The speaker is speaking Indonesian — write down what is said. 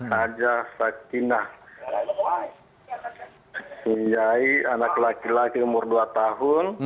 raja sakinah siai anak laki laki umur dua tahun